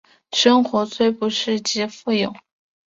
生活虽不是极富有